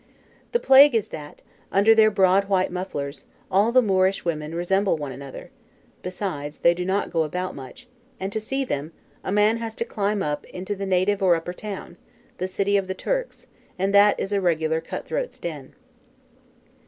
The plague is that, under their broad white mufflers, all the Moorish women resemble one another; besides, they do not go about much, and to see them, a man has to climb up into the native or upper town, the city of the "Turks," and that is a regular cut throat's den.